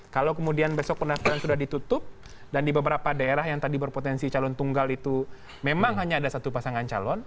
kalau kemudian besok pendaftaran sudah ditutup dan di beberapa daerah yang tadi berpotensi calon tunggal itu memang hanya ada satu pasangan calon